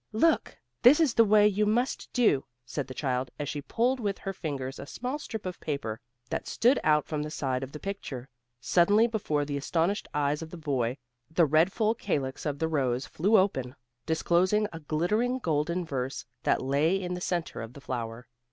"Look, this is the way you must do," said the child, as she pulled with her fingers a small strip of paper that stood out from the side of the picture; suddenly before the astonished eyes of the boy the red full calix of the rose flew open, disclosing a glittering golden verse that lay in the centre of the flower.